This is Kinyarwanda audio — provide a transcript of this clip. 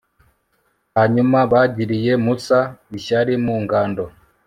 hanyuma bagiriye musa ishyari mu ngando